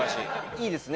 いいですね